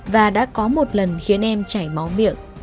và đã có một lần khiến em chảy máu miệng